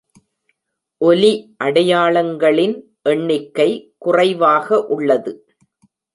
ஒலி அடையாளங்களின் எண்ணிக்கை குறைவாக உள்ளது.